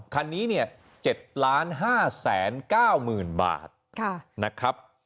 คันนี้เนี่ย๗๕๙๐๐๐บาทนะครับ